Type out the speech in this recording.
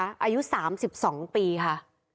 อายุ๓๒ปีค่ะ